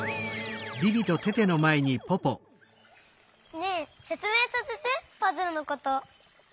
ねえせつめいさせてパズルのこと。